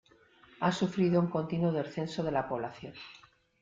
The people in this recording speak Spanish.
Ha sufrido un continuo descenso de la población.